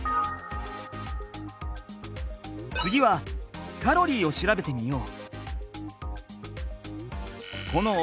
次はカロリーを調べてみよう。